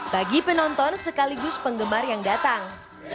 bagi penonton sekaligus penggemar yang datang